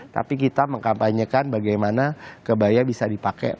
tapi kita mengkampanyekan bagaimana kebaya bisa dipakai